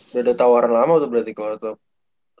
udah ada tawaran lama tuh berarti kok atau